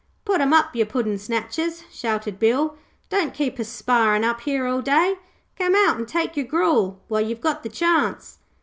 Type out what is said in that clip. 'Put 'em up, ye puddin' snatchers,' shouted Bill. 'Don't keep us sparrin' up here all day. Come out an' take your gruel while you've got the chance.'